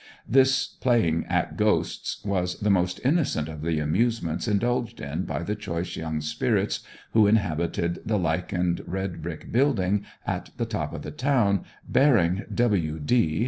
This playing at ghosts was the most innocent of the amusements indulged in by the choice young spirits who inhabited the lichened, red brick building at the top of the town bearing 'W.D.'